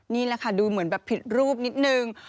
นี่แหละค่ะดูเหมือนแบบผิดรูปนิดนึง